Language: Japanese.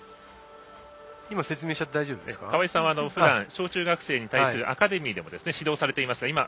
川合さんはふだん小中学生に対するアカデミーでも指導されていますが。